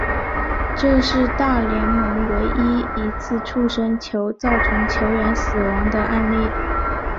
这是大联盟唯一一次触身球造成球员死亡的案例。